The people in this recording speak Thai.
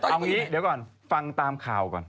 เอางี้เดี๋ยวก่อนฟังตามข่าวก่อน